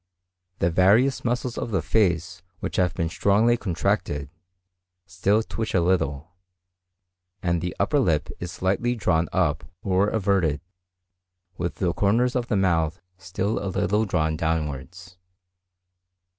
The various muscles of the face which have been strongly contracted, still twitch a little, and the upper lip is still slightly drawn up or everted, with the corners of the mouth still a little drawn downwards.